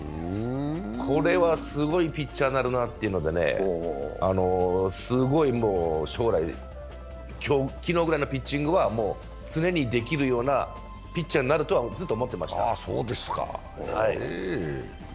これはすごいピッチャーになるなというのでね、すごいもう将来、昨日ぐらいのピッチングは常にできるようなピッチャーになるとはずっと思ってました。